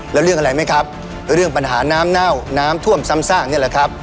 แล้วเรื่องอะไรไหมครับเรื่องปัญหาน้ำเน่าน้ำท่วมซ้ำซากนี่แหละครับ